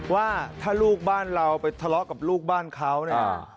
ว่าถ้าลูกบ้านเราไปทะเลาะกับลูกบ้านเขาเนี่ย